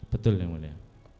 betul yang mulia